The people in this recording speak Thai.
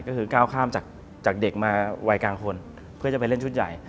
ก็คือก้าวข้ามจากเด็กมาวัยกลางคนเพื่อจะไปเล่นชุดใหญ่